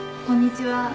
こんにちは。